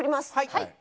はい。